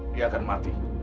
dia akan mati